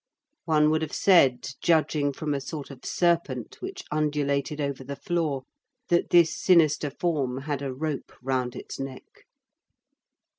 One would have said, judging from a sort of serpent which undulated over the floor, that this sinister form had a rope round its neck.